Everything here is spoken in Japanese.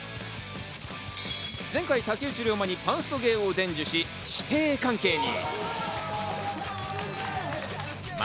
前回、竹内涼真にパンスト芸を伝授し、師弟関係に。